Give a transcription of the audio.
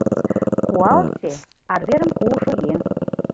Куалче — арверым куышо еҥ.